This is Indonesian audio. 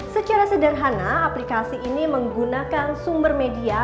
secara sederhana aplikasi ini menggunakan sumber media